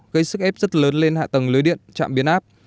gây sức ép rất lớn lên hạ tầng lưới điện trạm biến áp